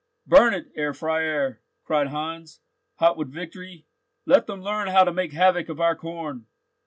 "Burn it, Herr Freiherr," cried Heinz, hot with victory. "Let them learn how to make havoc of our corn."